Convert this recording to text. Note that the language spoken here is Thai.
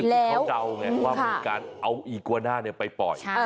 ที่เขาเดาไงว่ามีการเอาอีกวาน่าไปปล่อย